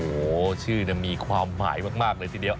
โอ้โหชื่อมีความหมายมากเลยทีเดียว